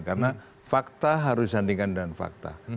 karena fakta harus dihantarkan dengan fakta